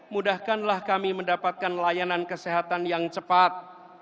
mudahkanlah kami mendapatkan layanan kesehatan yang cepat